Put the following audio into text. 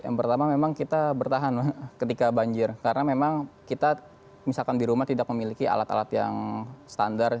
yang pertama memang kita bertahan ketika banjir karena memang kita misalkan di rumah tidak memiliki alat alat yang standar